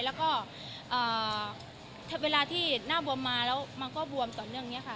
แล้วก็เวลาที่หน้าบวมมาแล้วมันก็บวมต่อเนื่องอย่างนี้ค่ะ